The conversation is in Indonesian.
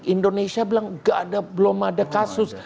indonesia bilang belum ada kasus